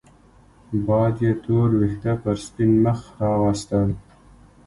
باد يې تور وېښته پر سپين مخ راوستل